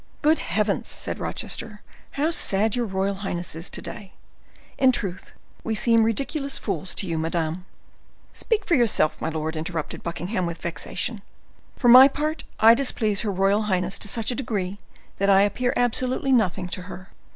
"Good heavens!" said Rochester, "how sad your royal highness is to day; in truth we seem ridiculous fools to you, madam." "Speak for yourself, my lord," interrupted Buckingham with vexation; "for my part, I displease her royal highness to such a degree, that I appear absolutely nothing to her."